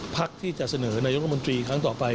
ภักดิ์ที่จะเสนอในยนต์กระบวนตรีครั้งต่อไป